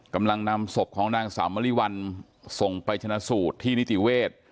กำลังนำศพของนางสาวมริวัลส่งไปชนะสูตรที่นิติเวศ